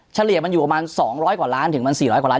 เฉลี่ยมันอยู่ประมาณ๒๐๐กว่าล้านถึงมัน๔๐๐กว่าล้าน